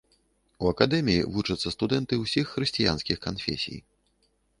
У акадэміі вучацца студэнты ўсіх хрысціянскіх канфесій.